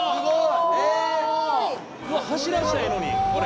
うわ走らしたらええのにこれ。